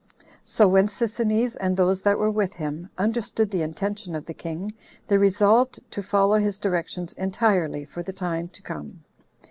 So when Sisinnes, and those that were with him, understood the intention of the king, they resolved to follow his directions entirely for the time to come.